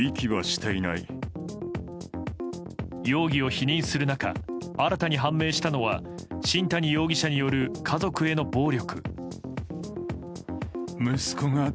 容疑を否認する中新たに判明したのは新谷容疑者による家族への暴力。